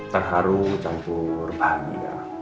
terharu campur bahagia